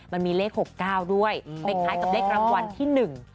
มันมีเลข๖๙ด้วยเป็นคลายกับเลขรรวรรมที่๑